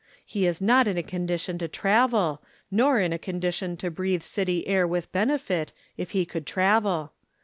He is not in a condition to travel, nor in a condi tion to breathe city air with benefit, if he could travel.